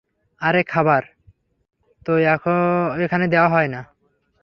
আরে খাবার তো এখানে দেওয়া হয় না।